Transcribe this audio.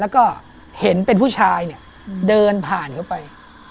แล้วก็เห็นเป็นผู้ชายเนี่ยเดินผ่านเข้าไป